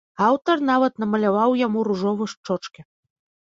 Аўтар нават намаляваў яму ружовы шчочкі.